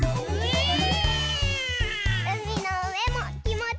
うみのうえもきもちいいな！